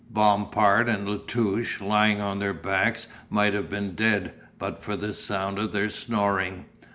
Bompard and La Touche lying on their backs might have been dead but for the sound of their snoring.